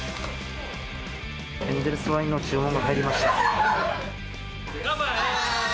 エンゼルスワインの注文が入乾杯。